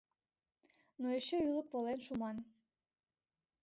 Но эше ӱлык волен шуман.